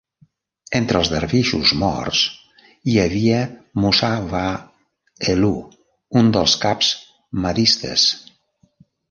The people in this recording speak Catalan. Entre els dervixos morts hi havia Musa wad Helu, un dels caps mahdistes.